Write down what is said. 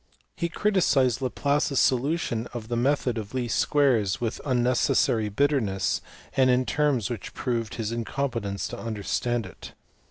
He criticized Laplace s solution of the method of least squares with unnecessary bitterness, and in terms which proved his incompe tence to understand it.